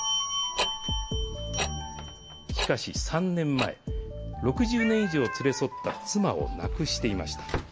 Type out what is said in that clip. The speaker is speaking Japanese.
しかし、３年前、６０年以上連れ添った妻を亡くしていました。